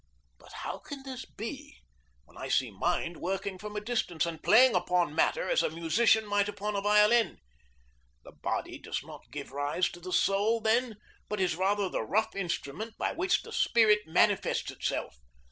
But how can this be when I see mind working from a distance and playing upon matter as a musician might upon a violin? The body does not give rise to the soul, then, but is rather the rough instrument by which the spirit manifests itself.